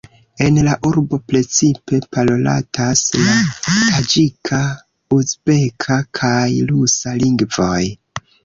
En la urbo precipe parolatas la taĝika, uzbeka kaj rusa lingvoj.